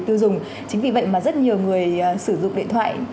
tiêu dùng chính vì vậy mà rất nhiều người sử dụng điện thoại